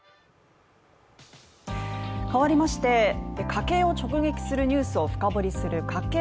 変わりまして、家計を直撃するニュースを深掘りする家計